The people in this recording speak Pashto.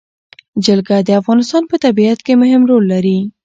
جلګه د افغانستان په طبیعت کې مهم رول لري.